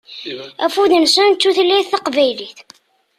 Afud-nsen d tutlayt taqbaylit.